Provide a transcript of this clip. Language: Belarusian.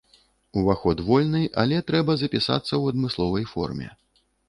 Уваход вольны, але трэба запісацца ў адмысловай форме.